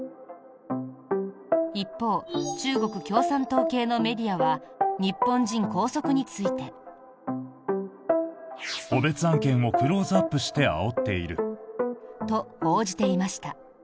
一方、中国共産党系のメディアは日本人拘束について。と、報じていました。